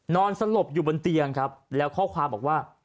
นอนสลบอยู่บนเตียงครับแล้วข้อความบอกว่า